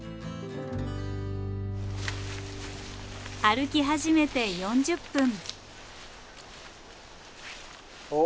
歩き始めて４０分。